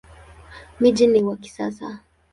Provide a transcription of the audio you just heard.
Mji ni wa kisasa.